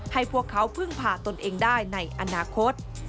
พวกเขาพึ่งผ่าตนเองได้ในอนาคต